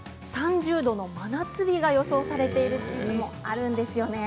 ３０度の真夏日が予想されている地域もあるんですよね。